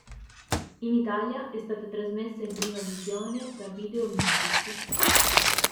In Italia è stata trasmessa in prima visione da Videomusic.